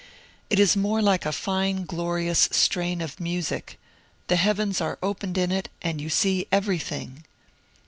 It is more like a fine glorious strain of music. The heavens are opened in it, and you see everything."